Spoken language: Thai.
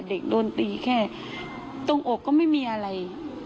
เด็กโดนตีแค่ตรงอกก็ไม่มีอะไร